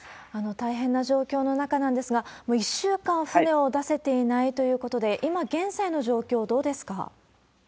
大変な状況の中なんですが、もう１週間船を出せていないということで、今現在の状況どうですか？